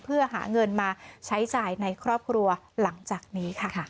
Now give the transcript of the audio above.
เพื่อหาเงินมาใช้จ่ายในครอบครัวหลังจากนี้ค่ะ